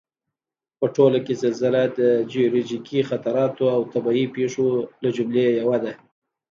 په ټوله کې زلزله د جیولوجیکي خطراتو او طبعي پېښو له جملې یوه ده